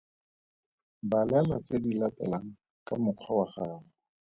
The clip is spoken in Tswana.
Balela tse di latelang ka mokgwa wa gago.